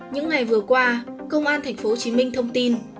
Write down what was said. những ngày vừa qua công an tp hcm thông tin